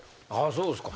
そうですか。